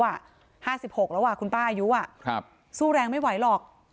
ห้าสิบหกแล้วอ่ะคุณป้าอายุอ่ะครับสู้แรงไม่ไหวหรอก